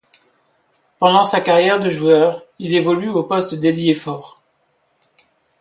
Pendant sa carrière de joueur, il évolue au poste d'ailier fort.